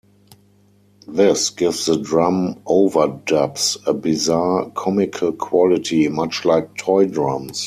This gives the drum overdubs a bizarre, comical quality, much like toy drums.